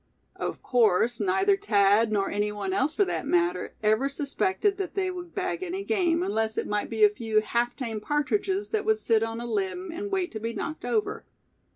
Of course neither Thad, nor any one else for that matter, ever suspected that they would bag any game, unless it might be a few half tame partridges, that would sit on a limb, and wait to be knocked over.